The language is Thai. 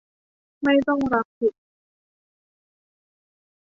ไม่ต้องรับผิด